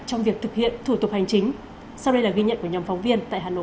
trong việc thực hiện thủ tục hành chính sau đây là ghi nhận của nhóm phóng viên tại hà nội